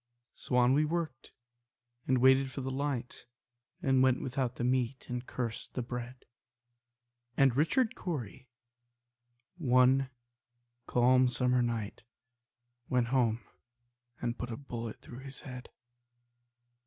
So on we worked, and waited for the light, And went without the meat, and cursed the bread; And Richard Cory, one calm summer night, Went home and put a bullet through his head.